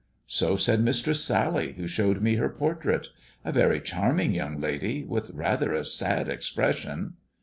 " So said Mistress Sally, who showed me her portrait. A very charming young lady, with rather a sad expression."